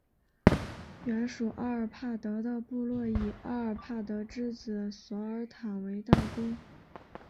原属阿尔帕德的部落以阿尔帕德之子索尔坦为大公。